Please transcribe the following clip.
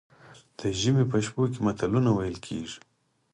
د ژمي په شپو کې متلونه ویل کیږي.